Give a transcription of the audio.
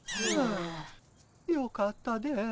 よかったです。